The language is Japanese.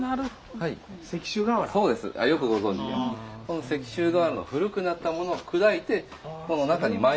この石州瓦の古くなったものを砕いてこの中にまいてるんですよ。